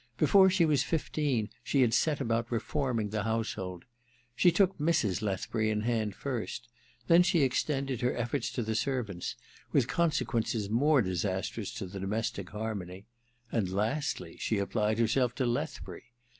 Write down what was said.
Before she was fifteen she had set about reforming the house hold. She took Mrs. Lethbury in hand first ; then she extended her efforts to the servants, with consequences more disastrous to the domestic harmony ; and lastly she applied herself to Lethbury.